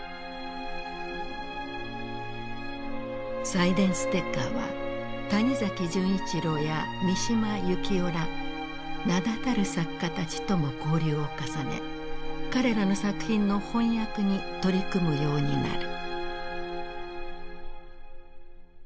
サイデンステッカーは谷崎潤一郎や三島由紀夫ら名だたる作家たちとも交流を重ね彼らの作品の翻訳に取り組むようになる。